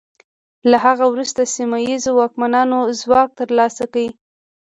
له هغه وروسته سیمه ییزو واکمنانو ځواک ترلاسه کړ.